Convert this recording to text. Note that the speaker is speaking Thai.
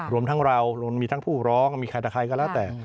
รวมทั้งเรารวมทั้งผู้ร้องมีใครก็แล้วแต่